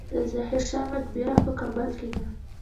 د ظاهر شاه مقبره په کابل کې ده